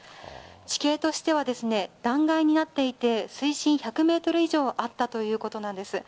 地形としては断崖になっていて水深１００ｍ以上あったということなんです。